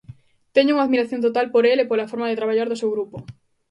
Teño unha admiración total por el e pola forma de traballar do seu grupo.